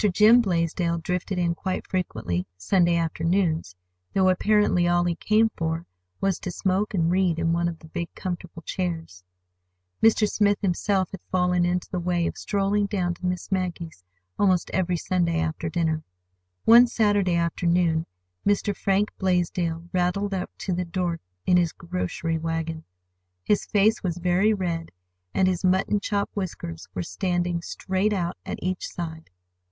Jim Blaisdell drifted in quite frequently Sunday afternoons, though apparently all he came for was to smoke and read in one of the big comfortable chairs. Mr. Smith himself had fallen into the way of strolling down to Miss Maggie's almost every Sunday after dinner. One Saturday afternoon Mr. Frank Blaisdell rattled up to the door in his grocery wagon. His face was very red, and his mutton chop whiskers were standing straight out at each side.